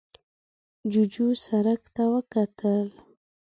جوجو سرک ته وکتل.